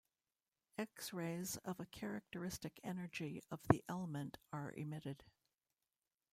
X-rays of a characteristic energy of the element are emitted.